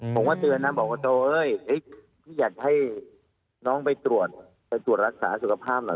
ผมว่าเตือนนั้นบอกว่าโอ้ยพี่อยากให้น้องไปตรวจรักษาสุขภาพหน่อย